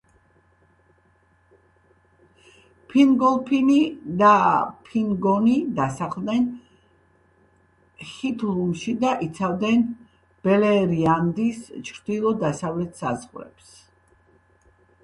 ფინგოლფინი და ფინგონი დასახლდნენ ჰითლუმში და იცავდნენ ბელერიანდის ჩრდილო-დასავლეთ საზღვრებს.